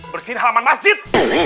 bersihin halaman masjid